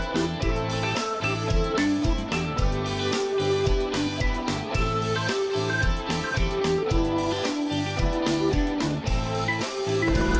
โปรดติดตามตอนต่อไป